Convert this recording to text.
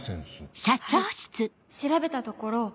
はい調べたところ